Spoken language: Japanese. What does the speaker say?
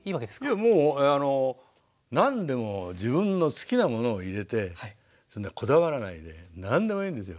いやもうあの何でも自分の好きなものを入れてこだわらないで何でもいいんですよ。